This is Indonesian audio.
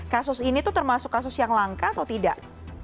kasus ini tuh termasuk kasus yang langka atau tidak